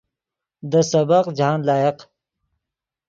دے سبق جاہند لائق